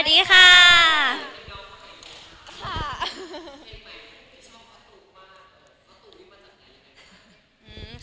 อุ้ยชิคกี้พายเป็นยัวไข้ด้วยเป็นเพิ่งใหม่ในช่องฮะตูมาก